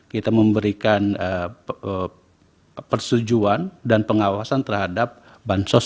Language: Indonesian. kita memberikan persetujuan dan pengawasan terhadap bansos